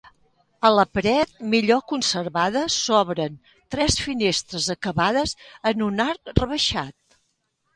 A la paret millor conservada s'obren tres finestres acabades en un arc rebaixat.